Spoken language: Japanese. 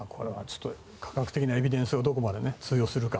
科学的なエビデンスがどこまで通用するか。